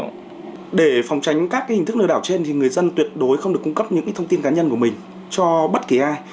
để phòng tránh các hình thức lừa đảo trên thì người dân tuyệt đối không được cung cấp những thông tin cá nhân của mình cho bất kỳ ai